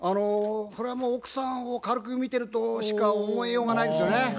これはまあ奥さんを軽く見てるとしか思いようがないですよね。